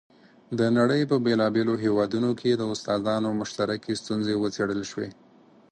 د نړۍ په بېلابېلو هېوادونو کې د استادانو مشترکې ستونزې وڅېړل شوې.